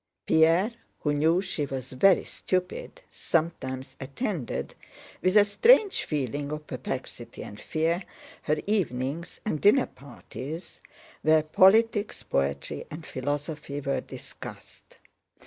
Pierre, who knew she was very stupid, sometimes attended, with a strange feeling of perplexity and fear, her evenings and dinner parties, where politics, poetry, and philosophy were discussed.